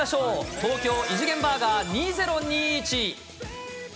ＴＯＫＹＯ異次元バーガー２０２１。